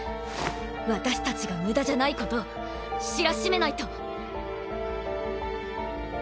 私たちが無駄じゃないことを知らしめないと！